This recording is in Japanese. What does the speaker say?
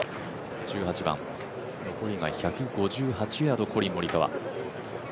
１８番、残りが１５８ヤードコリン・モリカワ。